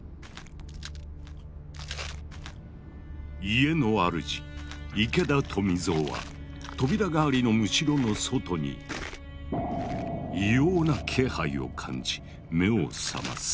家のあるじ池田富蔵は扉代わりのむしろの外に異様な気配を感じ目を覚ます。